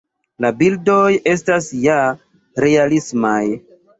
La bildoj estas ja realismaj.